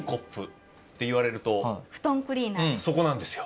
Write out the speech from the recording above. そこなんですよ。